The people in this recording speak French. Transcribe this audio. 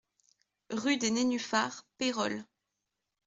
Rue des Nénuphars, Pérols